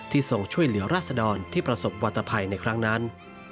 ทรงช่วยเหลือราศดรที่ประสบวัตภัยในครั้งนั้น